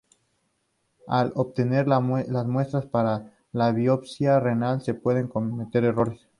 Al obtener las muestras para la biopsia renal se pueden cometer errores.